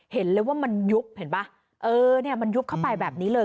เห็นเลยว่ามันยุบเห็นป่ะเออเนี่ยมันยุบเข้าไปแบบนี้เลย